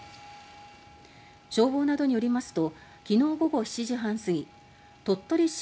消防などによりますと昨日午後７時半すぎ鳥取市